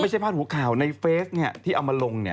ไม่ใช่พลาดหัวข่าวในเพศเนี่ยที่เอามาลงเนี่ย